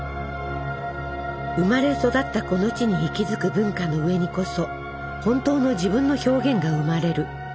生まれ育ったこの地に息づく文化の上にこそ本当の自分の表現が生まれる。